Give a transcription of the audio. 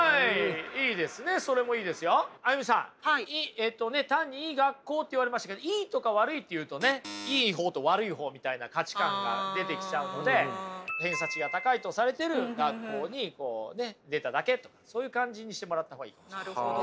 えっとね単にいい学校って言われましたけどいいとか悪いって言うとねいい方と悪い方みたいな価値観が出てきちゃうので偏差値が高いとされている学校にこうね出ただけとかそういう感じにしてもらった方がいいかもしれませんね。